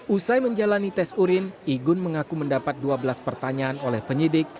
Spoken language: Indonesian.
usai menjalani tes urin igun mengaku mendapat dua belas pertanyaan oleh penyidik